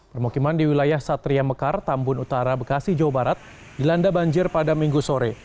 permukiman di wilayah satria mekar tambun utara bekasi jawa barat dilanda banjir pada minggu sore